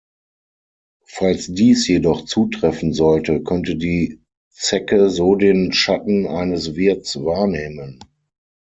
Falls dies jedoch zutreffen sollte, könnte die Zecke so den Schatten eines Wirts wahrnehmen.